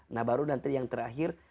nah baru nanti yang terakhir